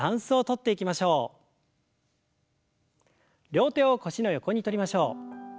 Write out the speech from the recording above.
両手を腰の横にとりましょう。